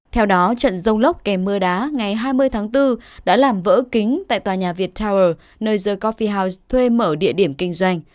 theo đó trận rông lốc kèm mưa đá ngày hai mươi tháng bốn đã làm vỡ kính tại tòa nhà viettel nơi the coffi house thuê mở địa điểm kinh doanh